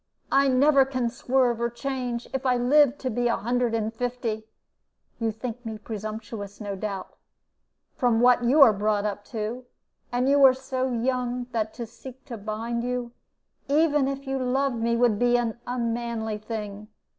I never can swerve or change, if I live to be a hundred and fifty. You think me presumptuous, no doubt, from what you are brought up to. And you are so young that to seek to bind you, even if you loved me, would be an unmanly thing.